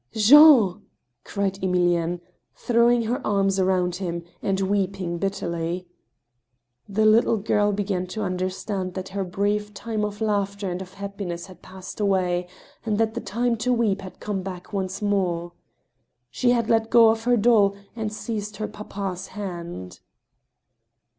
"Jean!" cried Emilienne, throwing her arms round him, and weeping bitterly. The little girl began to understand that her brief time of laughter and of happiness had passed away, and that the time to weep had come back once more. She had let go of her doll and seized her papa's hand.